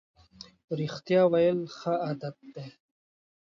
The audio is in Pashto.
رښتیا ویل ښه عادت دی.